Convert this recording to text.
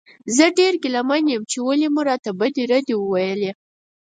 زه ډېر ګیله من یم چې ولې مو راته بدې ردې وویلې.